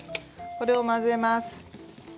これを混ぜます。